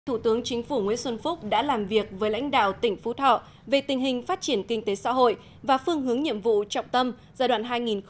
thủ tướng chính phủ nguyễn xuân phúc đã làm việc với lãnh đạo tỉnh phú thọ về tình hình phát triển kinh tế xã hội và phương hướng nhiệm vụ trọng tâm giai đoạn hai nghìn hai mươi một hai nghìn hai mươi năm